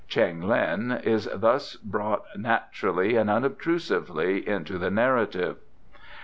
Cheng Lin is thus brought naturally and unobtrusively into the narrative.